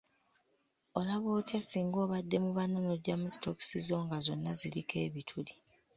Olaba otya singa obadde mu banno n'ojjamu sitookisi zo nga zonna ziriko ebituli.